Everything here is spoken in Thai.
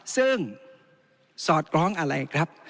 ซึ่งสอดคล้องอะไรครับ